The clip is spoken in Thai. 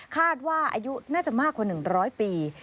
คาดว่าอายุน่าจะมากกว่า๑๐๐ปี